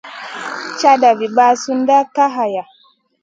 Caʼnda vi mʼasun Kay haya.